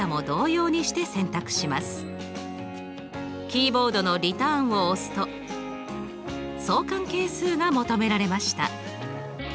キーボードのリターンを押すと相関係数が求められました！